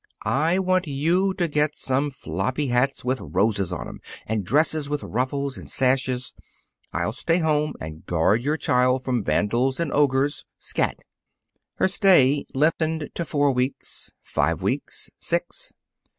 I want you to get some floppy hats with roses on 'em, and dresses with ruffles and sashes. I'll stay home and guard your child from vandals and ogres. Scat!" Her stay lengthened to four weeks, five weeks, six.